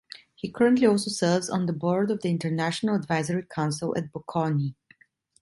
He currently also serves on the board of the International Advisory Council at Bocconi.